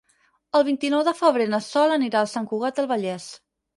El vint-i-nou de febrer na Sol anirà a Sant Cugat del Vallès.